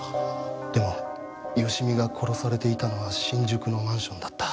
でも芳美が殺されていたのは新宿のマンションだった。